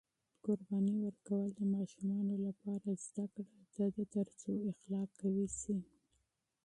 قرباني ورکول د ماشومانو لپاره زده کړه ده ترڅو اخلاق قوي شي.